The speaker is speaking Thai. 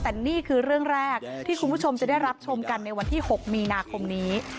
แต่นี่คือเรื่องแรกที่คุณผู้ชมจะได้รับชมกันในวันที่๖มีนาคมนี้